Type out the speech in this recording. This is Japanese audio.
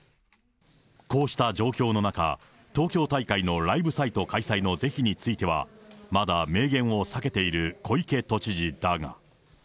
こうした状況の中、東京大会のライブサイト開催の是非については、まだ明言を避けている小池都知事だが。